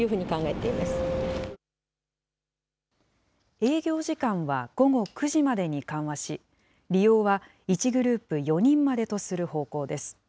営業時間は午後９時までに緩和し、利用は１グループ４人までとする方向です。